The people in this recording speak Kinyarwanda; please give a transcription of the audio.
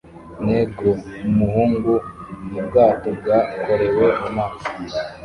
Negro Umuhungu mubwato bwakorewe mumazi